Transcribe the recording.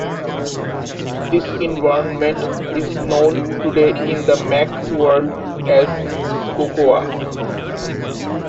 This environment is known today in the Mac world as Cocoa.